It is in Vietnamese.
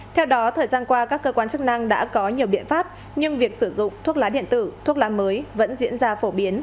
theo đó thời gian qua các cơ quan chức năng đã có nhiều biện pháp nhưng việc sử dụng thuốc lá điện tử thuốc lá mới vẫn diễn ra phổ biến